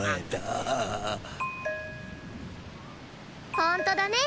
ほんとだね。